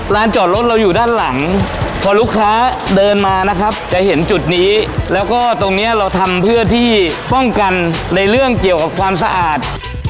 จอดรถเราอยู่ด้านหลังพอลูกค้าเดินมานะครับจะเห็นจุดนี้แล้วก็ตรงเนี้ยเราทำเพื่อที่ป้องกันในเรื่องเกี่ยวกับความสะอาด